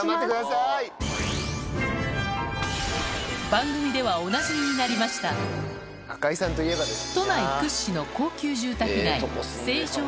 番組ではおなじみになりました都内屈指の高級住宅街